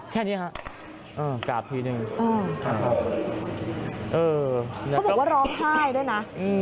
แค่นี้ค่ะเออกราบทีหนึ่งเออเออเขาบอกว่าร้องไห้ด้วยน่ะอืม